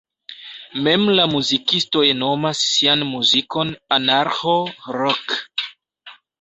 Mem la muzikistoj nomas sian muzikon "anarĥo-rok".